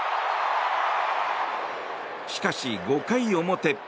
しかし、５回表。